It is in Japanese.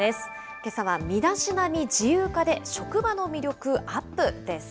けさは、身だしなみ自由化で職場の魅力アップ！です。